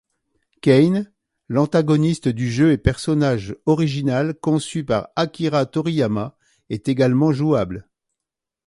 Kane, l'antagoniste du jeu et personnage original conçu par Akira Toriyama, est également jouable.